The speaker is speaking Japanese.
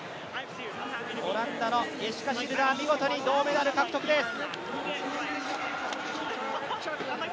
オランダのイェシカ・シルダー、見事、銅メダル獲得です。